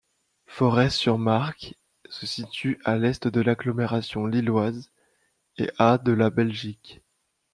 Forest-sur-Marque se situe à l'est de l'agglomération lilloise et à de la Belgique.